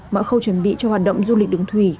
mọi khâu chuẩn bị cho hoạt động du lịch đường thủy